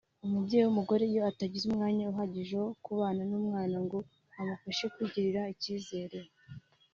umubyeyi w’umugore iyo atagize umwanya uhagije wo kubana n’umwana ngo amufashe kwigirira icyizere